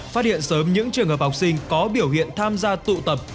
phát hiện sớm những trường hợp học sinh có biểu hiện tham gia tụ tập